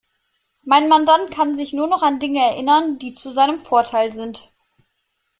Mein Mandant kann sich nur noch an Dinge erinnern, die zu seinem Vorteil sind.